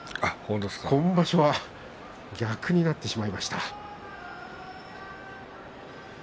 今場所は逆になってしまいました。